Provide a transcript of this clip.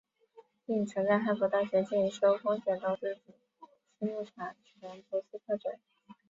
并曾在哈佛大学进修风险投资及私募产权投资课程。